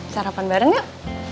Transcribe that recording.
sarapan bareng yuk